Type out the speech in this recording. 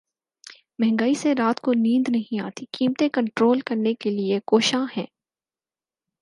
مہنگائی سے رات کو نیند نہیں آتی قیمتیں کنٹرول کرنے کے لیے کوشاں ہیں